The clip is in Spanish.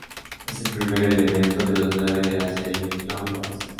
Es el primer elemento de los nueve de la serie Clone Wars.